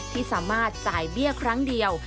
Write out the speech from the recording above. ที่สามารถจ่ายเบี้ยครั้งเดียว